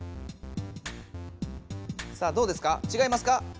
さあどうですかちがいますか？